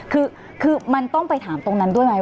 คือมันต้องไปถามตรงนั้นด้วยไหม